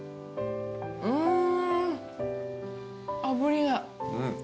あぶりが。